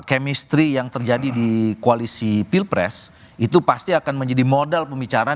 chemistry yang terjadi di koalisi pilpres itu pasti akan menjadi modal pembicaraan